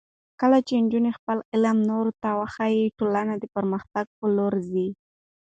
کله چې نجونې خپل علم نورو ته وښيي، ټولنه د پرمختګ په لور ځي.